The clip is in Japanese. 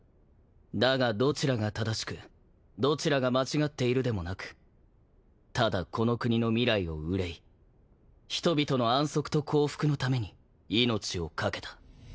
だがどちらが正しくどちらが間違っているでもなくただこの国の未来を憂い人々の安息と幸福のために命を懸けた。